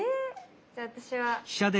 じゃあ私は。